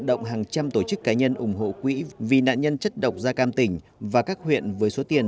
động hàng trăm tổ chức cá nhân ủng hộ quỹ vì nạn nhân chất độc da cam tỉnh và các huyện với số tiền